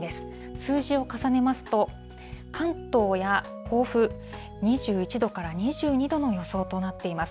数字を重ねますと、関東や甲府、２１度から２２度の予想となっています。